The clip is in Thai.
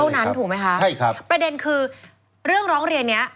เท่านั้นถูกไหมคะประเด็นคือเรื่องร้องเรียนนี้